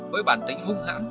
với bản tính hung hãng